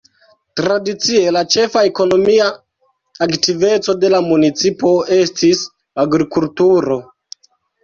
Tradicie la ĉefa ekonomia aktiveco de la municipo estis agrikulturo.